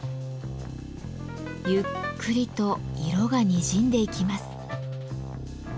ゆっくりと色がにじんでいきます。